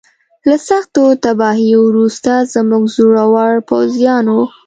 له سختو تباهیو وروسته زموږ زړورو پوځیانو.